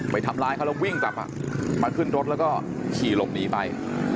ไปทำร้ายเขาแล้ววิ่งกลับมาขึ้นรถแล้วก็ขี่หลบหนีไป